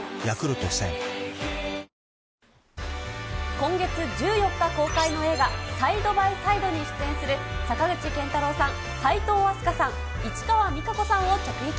今月１４日公開の映画、サイドバイサイドに出演する坂口健太郎さん、齋藤飛鳥さん、市川実日子さんを直撃。